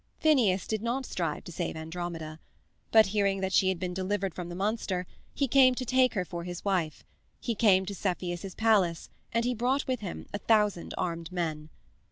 Phineus did not strive to save Andromeda. But, hearing that she had been delivered from the monster, he came to take her for his wife; he came to Cepheus's palace, and he brought with him a thousand armed men.